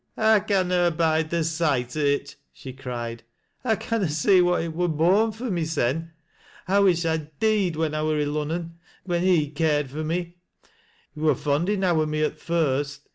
" I canna abide the sight o' it," she cried. " I canna see what it wur born fur, mysen. I wish I'd deed when I wui 1' Lunnon — when he cared fur no. He wor fond enow o' me at th' first.